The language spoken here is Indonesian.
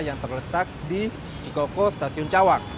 yang terletak di cikoko stasiun cawang